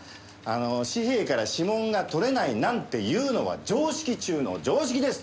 紙幣から指紋がとれないなんていうのは常識中の常識です。